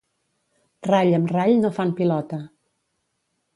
Rall amb rall no fan pilota.